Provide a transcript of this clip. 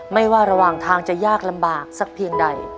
ไม่ว่าระหว่างทางจะยากลำบากสักเพียงใด